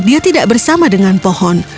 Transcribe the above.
dia tidak bersama dengan pohon